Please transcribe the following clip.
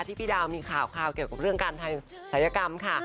พี่ดาวมีข่าวเกี่ยวกับเรื่องการศัยกรรมค่ะ